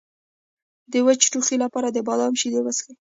د وچ ټوخي لپاره د بادام شیدې وڅښئ